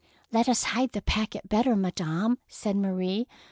" Let us hide the packet better, Madame," said Marie.